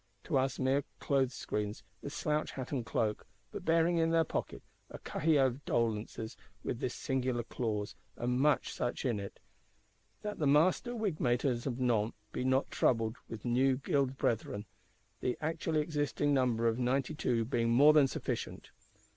To us mere clothes screens, with slouch hat and cloak, but bearing in their pocket a Cahier of doléances with this singular clause, and more such in it: "That the master wigmakers of Nantes be not troubled with new gild brethren, the actually existing number of ninety two being more than sufficient!"